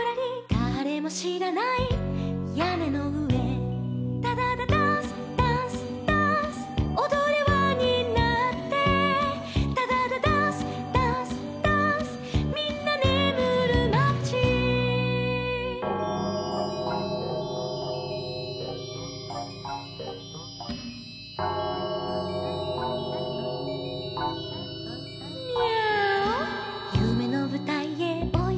「だれもしらないやねのうえ」「ダダダダンスダンスダンス」「おどれわになって」「ダダダダンスダンスダンス」「みんなねむるまち」「ミャーオ」「ゆめのぶたいへおいでよおいで」